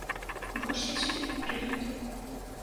Больш я сюды не прыеду.